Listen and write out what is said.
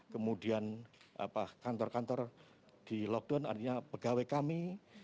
kemudian kantor kantor di lockdown artinya pegawai kami